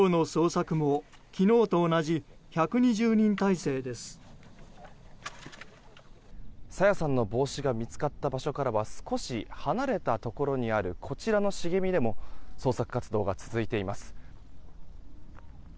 朝芽さんの帽子が見つかった場所からは少し離れたところにあるこちらの茂みでも捜索活動が続いています。